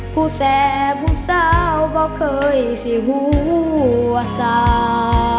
ผู้แส่ผู้เศร้าบอกเคยสิหัวสา